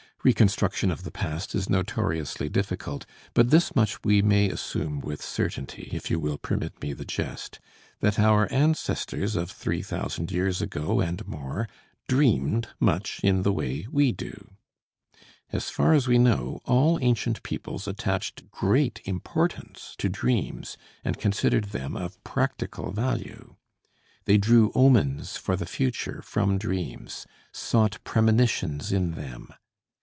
Reconstruction of the past is notoriously difficult, but this much we may assume with certainty if you will permit me the jest that our ancestors of 3000 years ago and more, dreamed much in the way we do. As far as we know, all ancient peoples attached great importance to dreams and considered them of practical value. They drew omens for the future from dreams, sought premonitions in them.